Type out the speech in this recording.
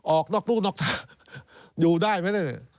ออกนอกลูกนอกทางอยู่ได้ไหมเนี่ย